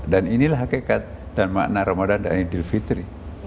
dan inilah hakikat dan makna ramadan dan idul fitri